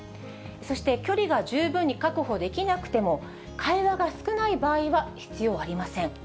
そして距離が十分に確保できなくても、会話が少ない場合は必要ありません。